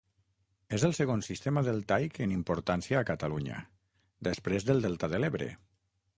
És el segon sistema deltaic en importància a Catalunya, després del delta de l'Ebre.